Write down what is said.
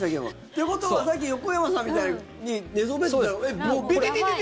ということはさっき横山さんみたいに寝そべってたら、ビビビビビ？